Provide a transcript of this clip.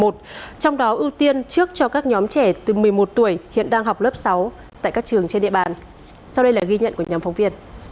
trong đó ưu tiên trước cho các nhóm trẻ từ một mươi một tuổi